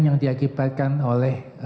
yang diakibatkan oleh